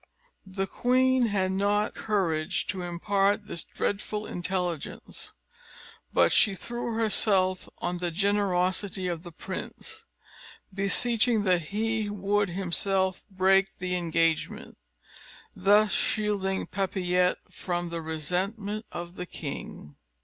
The queen had not courage to impart this dreadful intelligence; but she threw herself on the generosity of the prince, beseeching that he would himself break the engagement thus shielding Papillette from the resentment of the king.